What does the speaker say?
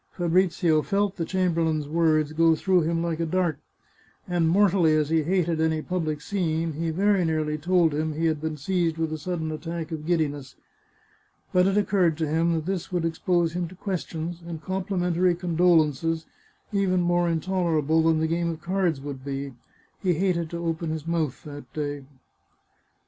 Fabrizio felt the chamberlain's words go through him like a dart, and mortally as he hated any public scene, he very nearly told him he had been seized with a sudden attack of giddiness. But it occurred to him that this would expose him to questions, and complimentary condolences, even more intolerable than the game of cards would be. He hated to open his mouth that day.